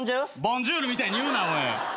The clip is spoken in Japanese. ボンジュールみたいに言うな。